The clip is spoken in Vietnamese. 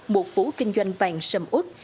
một phố kinh doanh vàng sầm út